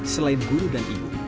selain guru dan ibu